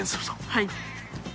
はい。